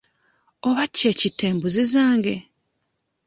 Oba ki ekitta embuzi zange?